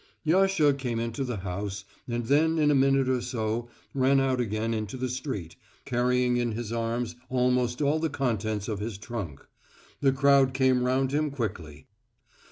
Yasha came into the house, and then in a minute or so ran out again into the street, carrying in his arms almost all the contents of his trunk. The crowd came round him quickly.